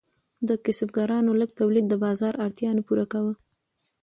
د کسبګرانو لږ تولید د بازار اړتیا نه پوره کوله.